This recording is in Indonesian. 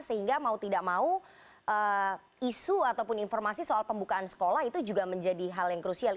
sehingga mau tidak mau isu ataupun informasi soal pembukaan sekolah itu juga menjadi hal yang krusial